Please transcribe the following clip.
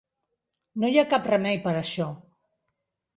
No hi ha cap remei per a això.